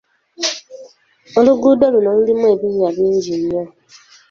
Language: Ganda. Oluguudo luno lulimu ebinnya bingi nnyo.